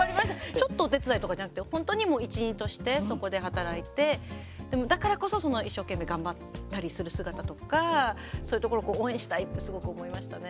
ちょっとお手伝いとかじゃなくて本当にもう一員としてそこで働いて、でもだからこそ一生懸命頑張ったりする姿とかそういうところを応援したいってすごく思いましたね。